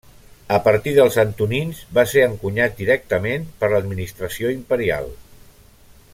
A partir dels Antonins, va ser encunyat directament per l'administració imperial.